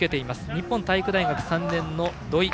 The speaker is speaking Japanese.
日本体育大学３年の土井。